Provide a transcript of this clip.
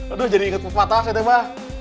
aduh jadi inget pepatah ya teh mah